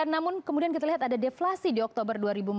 namun kemudian kita lihat ada deflasi di oktober dua ribu empat belas